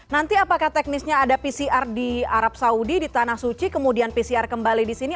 nanti apakah teknisnya ada pcr di arab saudi di tanah suci kemudian pcr kembali di sini